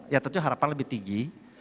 ya tentu harapan lebih tinggi